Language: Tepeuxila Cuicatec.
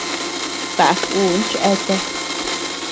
Baʼa kun cheatea.